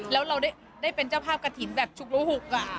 แล้วเราได้เป็นเจ้าภาพกระถิ่นแบบฉุกระหุก